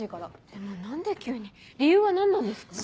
でも何で急に理由は何なんですか？